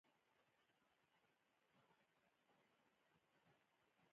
له وتلو وړاندې لمر کوز شوی و، له پوښلي سړکه چې را ووتو.